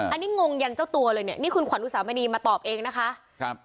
อันนี้งงยันเจ้าตัวเลยเนี่ยนี่คุณขวัญอุสามณีมาตอบเองนะคะครับ